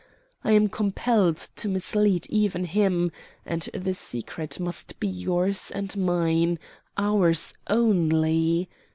I am compelled to mislead even him, and the secret must be yours and mine ours only.